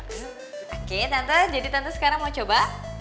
oke tante jadi tante sekarang mau coba